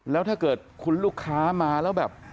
แล้วถ้าเกิดคุณลูกค้ามาแล้วแบบ